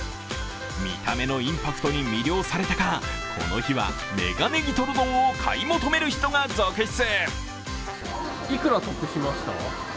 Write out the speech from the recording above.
見た目のインパクトに魅了されたか、この日はメガネギトロ丼を買い求める人が続出。